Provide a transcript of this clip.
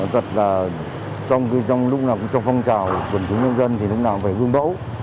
thật là trong lúc nào cũng trong phong trào quần chúng nhân dân thì lúc nào cũng phải gương mẫu